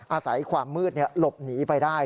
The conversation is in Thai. อาศัยความมืดหลบหนีไปได้